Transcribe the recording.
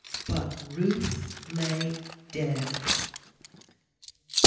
But Ruth lay dead.